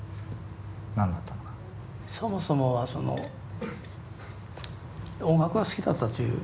そもそもは音楽が好きだったという。